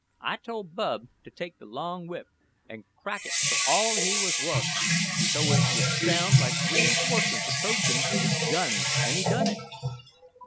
I told Bub to take the long whip, an' crack it for all he was wuth, so's it would sound like reinforcements approachin' with guns, an' he done it."